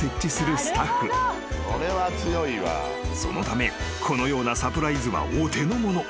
［そのためこのようなサプライズはお手のもの］